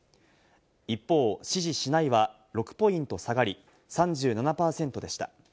一方、支持しないは６ポイント下がり、３７％でした。